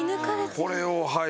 これをはい。